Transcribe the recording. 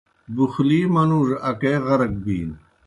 بُغلِی منُوڙوْ اکے غرق بِینوْ۔